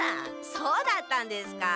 そうだったんですか。